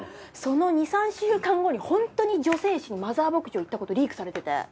その２３週間後にホントに女性誌にマザー牧場行ったことリークされてて。